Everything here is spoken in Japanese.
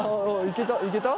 いけた？